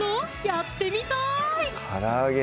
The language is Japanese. やってみたい！